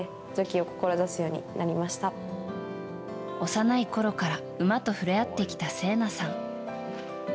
幼いころから馬と触れ合ってきた、聖奈さん。